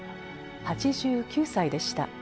８９歳でした。